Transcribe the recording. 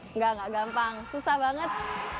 enggak enggak gampang susah banget